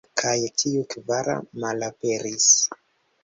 Kaj tiu kvara malaperis.